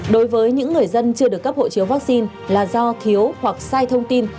đối với những người dân chưa được cấp hộ chiếu vaccine là do thiếu hoặc sai thông tin